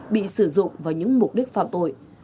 bị sử dụng vào những mục đích phạm tội